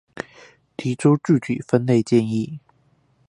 提出具體分類建議